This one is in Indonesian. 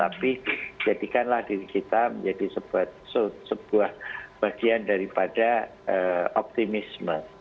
tapi jadikanlah diri kita menjadi sebuah bagian daripada optimisme